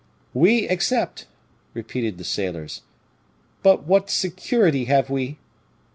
"We accept," repeated the sailors; "but what security have we?"